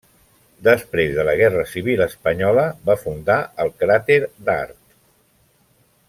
Després de la guerra civil espanyola, va fundar el Cràter d'art.